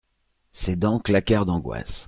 Ses dents claquèrent d’angoisse.